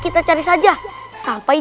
kita bisa mikirkan alat alat bahwa usri